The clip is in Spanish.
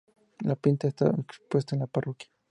La pintura está expuesta en la parroquia.